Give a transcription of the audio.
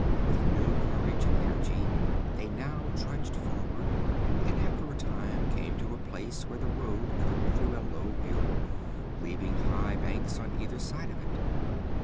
With new courage and energy they now trudged forward and after a time came to a place where the road cut through a low hill, leaving high banks on either side of it.